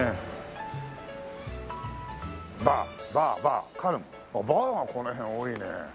あっバーがこの辺多いね。